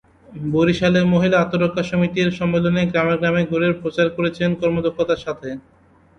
বরিশালে মহিলা আত্মরক্ষা সমিতির সম্মেলনে গ্রামে গ্রামে ঘুরে প্রচার করেছেন কর্মদক্ষতার সাথে।